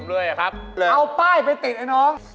เอาป้ายไปติดไอ้น้อง